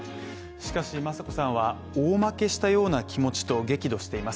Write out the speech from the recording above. しかし雅子さんは大負けしたような気持ちと激怒しています。